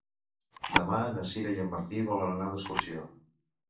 Demà na Sira i en Martí volen anar d'excursió.